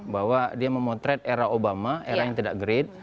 bahwa dia memotret era obama era yang tidak great